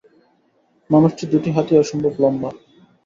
মানুষটির দুটি হাতই অসম্ভব লম্বা।